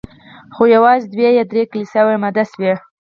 خو یوازي دوه یا درې کلیساوي اماده سوې